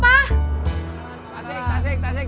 pasik pasik pasik